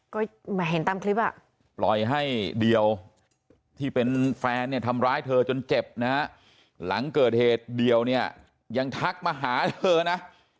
ก็เหมือนเห็นตามคลิปอ่ะปล่อยให้เดี่ยวที่เป็นแฟนเนี่ยทำร้ายเธอจนเจ็บนะฮะหลังเกิดเหตุเดียวเนี่ยยังทักมาหาเธอนะ